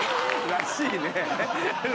らしいね。